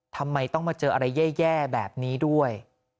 ทำไมต้องมาเจออะไรแย่แบบนี้ด้วย